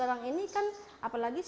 sekarang ini kan apalagi